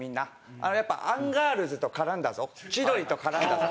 あのやっぱアンガールズと絡んだぞ千鳥と絡んだぞ。